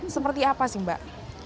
seperti apa sih mbak